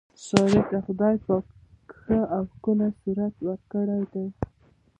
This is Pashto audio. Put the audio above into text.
سارې ته خدای پاک ښه او ښکلی صورت ورکړی دی.